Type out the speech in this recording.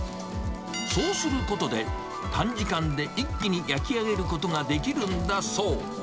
そうすることで、短時間で一気に焼き上げることができるんだそう。